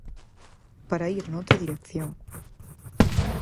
Para ir noutra dirección.